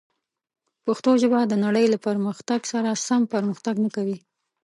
پښتو ژبه د نړۍ له پرمختګ سره سم پرمختګ نه کوي.